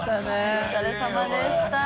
お疲れさまでした。